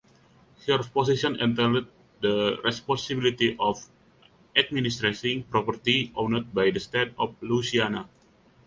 Her position entailed the responsibility of administrating property owned by the state of Louisiana.